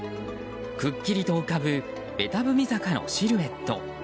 くっきりと浮かぶベタ踏み坂のシルエット。